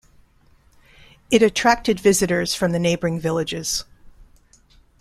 It attracted visitors from the neighboring villages.